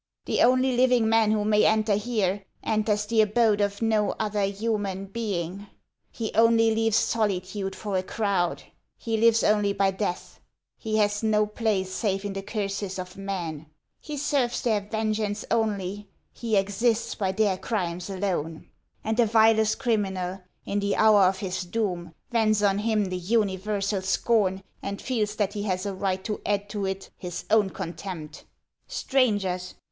The only living man who may enter here, enters the abode of no other human being ; he only leaves solitude for a crowd ; he lives only by death ; he has no place save in the curses of men ; he serves their ven geance only ; he exists by their crimes alone ; and the vilest criminal, in the hour of his doom, vents on him the uni versal scorn, and feels that he has a right to add to it his own contempt. Strangers